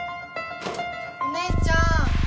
お姉ちゃん。